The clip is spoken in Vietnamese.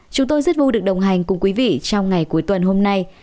chúng tôi rất vui được đồng hành cùng quý vị trong ngày cuối tuần hôm nay